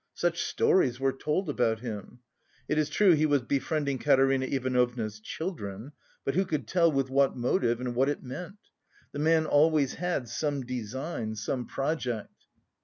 Such stories were told about him. It is true he was befriending Katerina Ivanovna's children, but who could tell with what motive and what it meant? The man always had some design, some project.